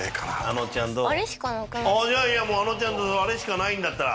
じゃああのちゃんあれしかないんだったら。